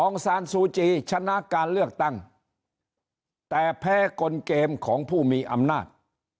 ซานซูจีชนะการเลือกตั้งแต่แพ้กลเกมของผู้มีอำนาจ